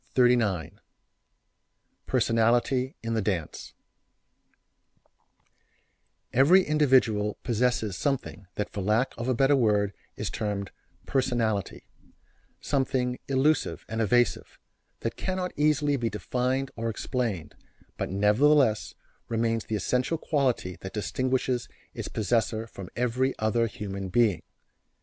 [Illustration: NW] PERSONALITY IN THE DANCE Every individual possesses something that for lack of a better word is termed "personality;" something elusive and evasive, that cannot easily be defined or explained, but nevertheless remains the essential quality that distinguishes its possessor from every other human being.